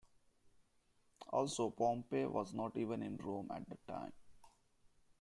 Also Pompey was not even in Rome at the time.